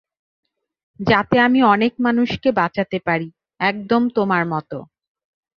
যাতে আমি অনেক মানুষকে বাঁচাতে পারি, একদম তোমার মত।